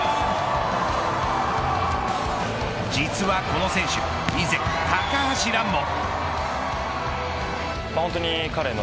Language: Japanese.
実はこの選手以前、高橋藍も。